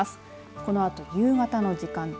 このあと、夕方の時間帯。